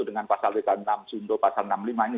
dengan pasal tiga puluh enam sundo pasal enam puluh lima ini